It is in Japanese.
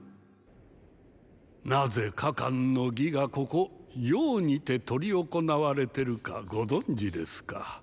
なぜ「加冠の儀」がここ「雍」にて執り行われてるかご存じですか？